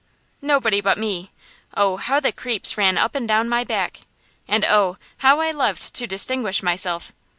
Nobody but me. Oh, how the creeps ran up and down my back! and oh! how I loved to distinguish myself!